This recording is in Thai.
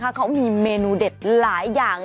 ต้มนี้นะคะเค้ามีเมนูเด็ดหลายอย่าง